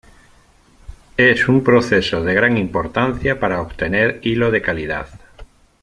Es un proceso de gran importancia para obtener hilo de calidad.